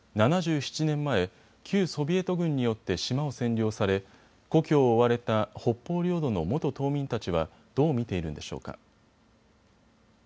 ７７年前、旧ソビエト軍によって島を占領され故郷を追われた北方領土の元島民たちはどう見ているんでしょうか。